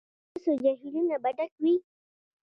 ایا ستاسو جهیلونه به ډک وي؟